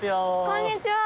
こんにちは！